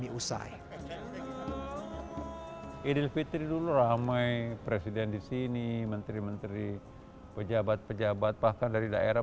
momen idul fitri dan idul latha istiqlal biasanya dipadati oleh umat yang ingin beribadah